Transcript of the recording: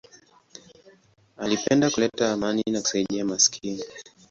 Alipenda kuleta amani na kusaidia maskini.